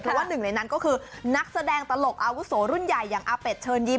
เพราะว่าหนึ่งในนั้นก็คือนักแสดงตลกอาวุโสรุ่นใหญ่อย่างอาเป็ดเชิญยิ้